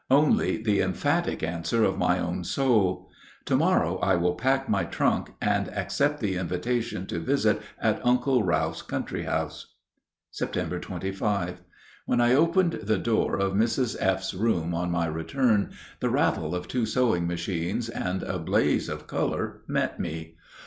Only the emphatic answer of my own soul. To morrow I will pack my trunk and accept the invitation to visit at Uncle Ralph's country house. Sept. 25. When I opened the door of Mrs. F.'s room on my return, the rattle of two sewing machines and a blaze of color met me.